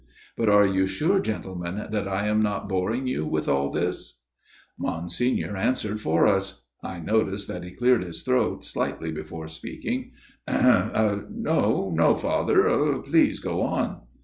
... But are you sure, gentlemen, that I am not boring you with all this ?" Monsignor answered for us. (I noticed that he cleared his throat slightly before speaking.) FATHER GIRDLESTONE'S TALE 103 " No, no, Father. ... Please go on."